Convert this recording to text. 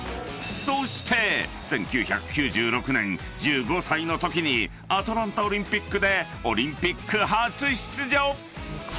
［そして１９９６年１５歳のときにアトランタオリンピックでオリンピック初出場］